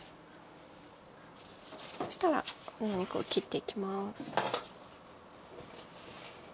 そしたらこのお肉を切っていきます。